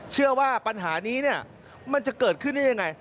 เชื่อว่าปัญหานี้เนี่ยมันจะเกิดขึ้นได้ยังไง